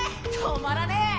止まらねえ！